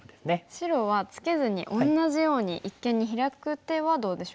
白はツケずに同じように一間にヒラく手はどうでしょうか？